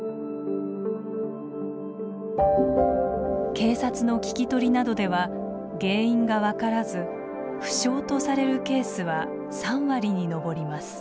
警察の聞き取りなどでは原因が分からず不詳とされるケースは３割に上ります。